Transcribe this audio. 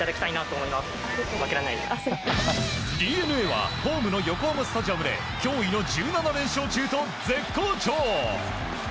ＤｅＮＡはホームの横浜スタジアムで驚異の１７連勝中と絶好調。